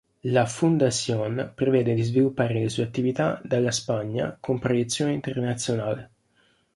La Fundación prevede di sviluppare le sue attività dalla Spagna con proiezione internazionale.